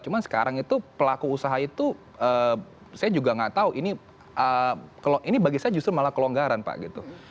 cuma sekarang itu pelaku usaha itu saya juga nggak tahu ini bagi saya justru malah kelonggaran pak gitu